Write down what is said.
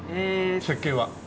設計は。